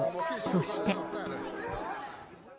そして。